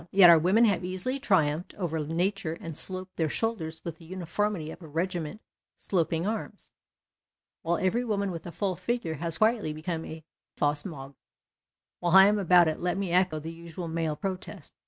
Yet our women have easily triumphed over nature and slope their shoulders with the uniformity of a regiment sloping arms, while every woman with a full figure has quietly bccoinc a fausse jnaigre. While I am about it, let me echo the usual male protest.